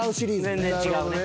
全然違うね。